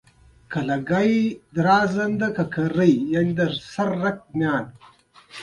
د کارنګي فطرت پر قهر او غضب بدل شو